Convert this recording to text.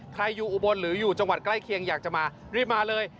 ใครอยู่อุบลหรืออยู่จังหวัดใกล้เคียงอยากจะมารีบมาเลย